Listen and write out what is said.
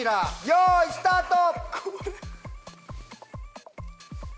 よいスタート！